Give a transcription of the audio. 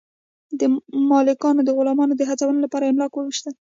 مالکانو د غلامانو د هڅونې لپاره املاک وویشل.